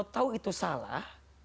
jangan tahu itu salah